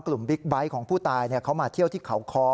กลุ่มบิ๊กบ์ไบก์ของผู้ตายเขามาเที่ยวที่เขา